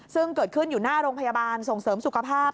ซึ่งเกิดขึ้นอยู่หน้าโรงพยาบาลส่งเสริมสุขภาพ